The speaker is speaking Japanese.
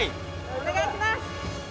お願いします！